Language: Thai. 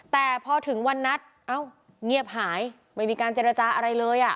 แต่พอถึงวันนัดเอ้าเงียบหายไม่มีการเจรจาอะไรเลยอ่ะ